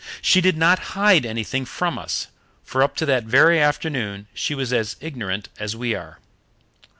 She did not hide anything from us, for up to that very afternoon she was as ignorant as we are.